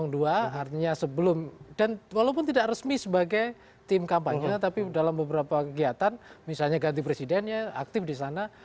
dan walaupun tidak resmi sebagai tim kampanye tapi dalam beberapa kegiatan misalnya ganti presiden ya aktif di sana